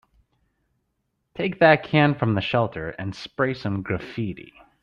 Take that can from the shelter and spray some graffiti.